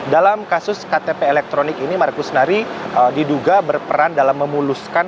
dalam kasus ktp elektronik ini markus nari diduga berperan dalam memuluskan